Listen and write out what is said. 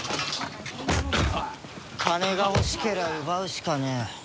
金が欲しけりゃ奪うしかねえ。